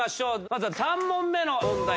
まずは３問目の問題。